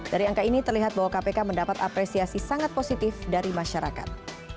dari angka ini terlihat bahwa kpk mendapat apresiasi sangat positif dari masyarakat